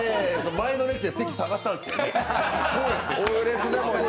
前の列で席を探したんですけどね。